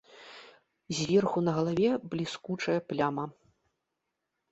Зверху на галаве бліскучая пляма.